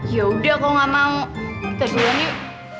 ya udah kok gak mau kita duluan yuk